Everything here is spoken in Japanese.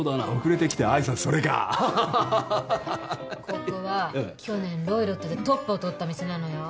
ここは去年ロイロットでトップを取った店なのよ。